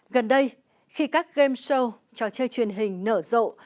gần đây khi các game show trò chơi truyền hình nở rộ